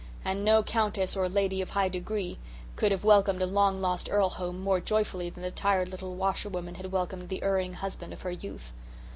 And no countess or lady of high degree could have welcomed a long lost earl home more joyfully than the tired little washerwoman had welcomed the erring husband of her youth.